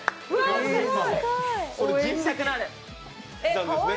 人力なんですね。